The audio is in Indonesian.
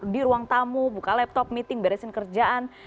di ruang tamu buka laptop meeting beresin kerjaan